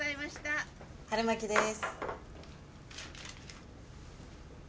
春巻です。